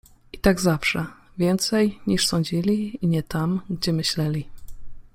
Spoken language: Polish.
I tak zawsze; więcej, niż sądzili, i nie tam, gdzie myśleli.